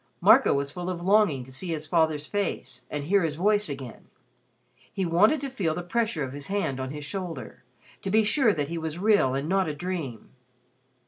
Marco was full of longing to see his father's face and hear his voice again. He wanted to feel the pressure of his hand on his shoulder to be sure that he was real and not a dream.